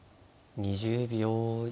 ２０秒。